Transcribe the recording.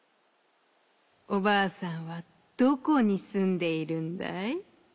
おばあさんはどこにすんでいるんだい？」。